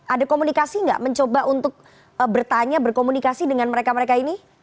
ada komunikasi nggak mencoba untuk bertanya berkomunikasi dengan mereka mereka ini